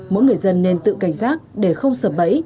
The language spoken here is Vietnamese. mỗi người dân nên tự cảnh giác để không sập bẫy